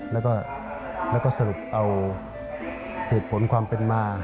แล้วก็สรุปเอาเหตุผลความเป็นมา